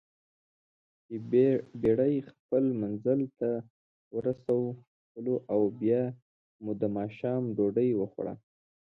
چې بېړۍ خپل منزل ته ورسولواو بیا مو دماښام ډوډۍ وخوړه.